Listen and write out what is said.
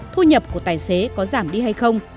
thu nhập của tài xế có giảm đi hay không